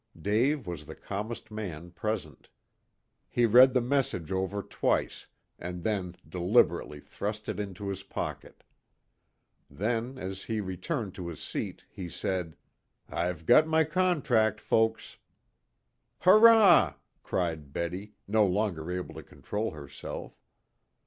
Dave was the calmest man present. He read the message over twice, and then deliberately thrust it into his pocket. Then, as he returned to his seat, he said "I've got my contract, folks." "Hurrah!" cried Betty, no longer able to control herself.